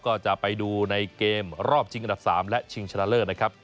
ก็จะไปดูในเกมรอบชิงอันดับ๓และชิงชนะเลิศนะครับ